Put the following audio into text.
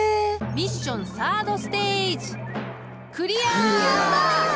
ミッションサードステージやった！